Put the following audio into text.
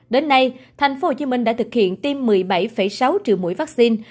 đến nay tp hcm đã thực hiện tiêm một mươi bảy sáu triệu mũi vaccine